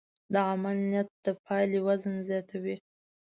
د عمل نیت د پایلې وزن زیاتوي.